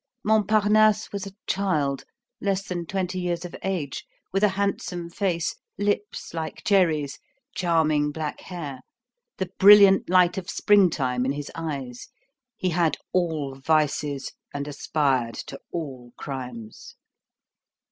Montparnasse was a child; less than twenty years of age, with a handsome face, lips like cherries, charming black hair, the brilliant light of springtime in his eyes; he had all vices and aspired to all crimes.